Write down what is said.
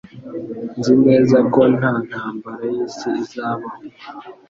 Nzi neza ko nta ntambara y'isi izabaho